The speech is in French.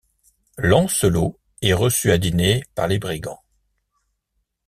Lancelot est reçu à diner par les brigands.